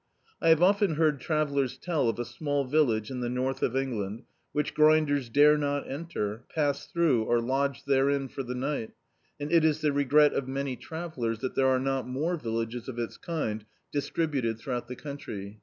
I have often heard travellers tell of a small village in the north of Ejigland, which grinders dare not enter, pass through or lodge therein for the night, and it is the regret of many travellers that there are not more villages of its kind distributed throu^ D,i.,.db, Google On the Downright out the country.